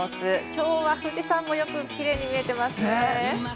きょうは富士山もよくキレイに見えていますね。